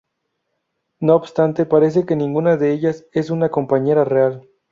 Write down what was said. No obstante, parece que ninguna de ellas es una compañera real.